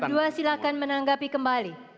cak gugdua silahkan menanggapi kembali